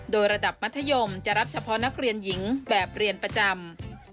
โดยระดับมัธยมจะรับเฉพาะนักเรียนหญิงแบบเรียนประจำ